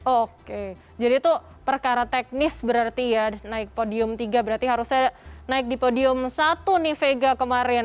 oke jadi itu perkara teknis berarti ya naik podium tiga berarti harusnya naik di podium satu nih vega kemarin